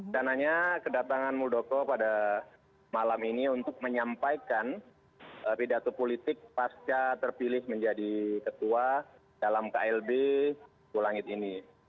dan hanya kedatangan muldoko pada malam ini untuk menyampaikan pidato politik pasca terpilih menjadi ketua dalam klb pulangit ini